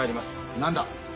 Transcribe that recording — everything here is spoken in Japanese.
何だ？